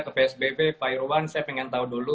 ke psbb pak irwan saya ingin tahu dulu